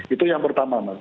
itu yang pertama